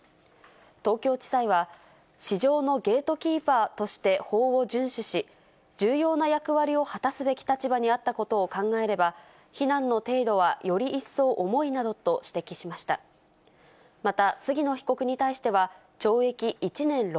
東京地裁は、市場のゲートキーパーとして法を順守し、重要な役割を果たすべき立場にあったことを考えれば、非難の程度はより一層重いなどと指摘しました。